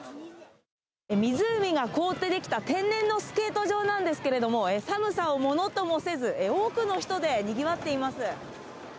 湖が凍ってできた天然のスケート場なんですけれども、寒さをものともせず、多くの人でにぎわっています。